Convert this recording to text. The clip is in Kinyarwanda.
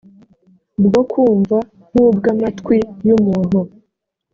bwo kumva nk ubw amatwi y umuntu